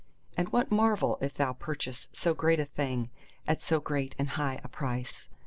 And what marvel if thou purchase so great a thing at so great and high a price?